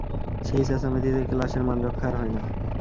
সেই চেঁচামেচিতে ক্লাসের মানরক্ষা আর হয় না।